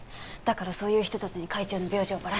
だからそういう人たちに会長の病状をバラして。